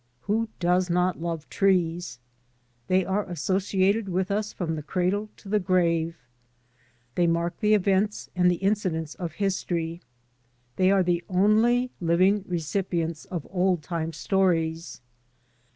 Who does not love trees? They are associated with us from the cradle to the grave. They mark the events and incidents of history. Thqr are the only living recipients of old time stories.